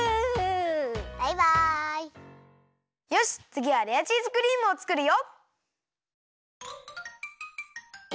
つぎはレアチーズクリームをつくるよ！